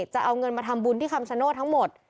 จะเอาเงินมาทำบุญที่คำชโนธทั้งหมด